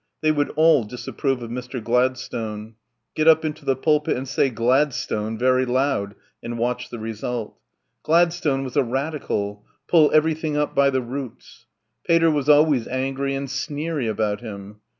They would all disapprove of Mr. Gladstone.... Get up into the pulpit and say "Gladstone" very loud ... and watch the result. Gladstone was a Radical ... "pull everything up by the roots." ... Pater was always angry and sneery about him....